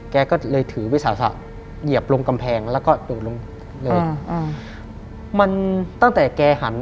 แกก็เลยถือไฟโทรศัพท์เหยียบลงกำแพงแล้วก็อืมอืมมันตั้งแต่แกหัน